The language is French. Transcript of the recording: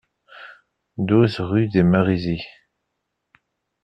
douze rue des Marizys